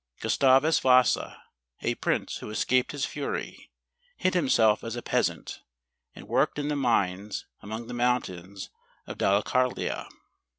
Gustavus Vasa, a prince who es¬ caped his fury, hid himself as a peasant, and worked in the mines among the mountains of Da lecarlia.